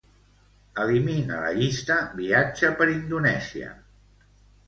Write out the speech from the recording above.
Elimina la llista "viatge per Indonèsia".